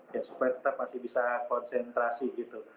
ya supaya tetap masih bisa konsentrasi gitu